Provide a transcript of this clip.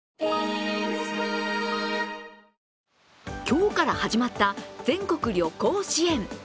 今日から始まった全国旅行支援。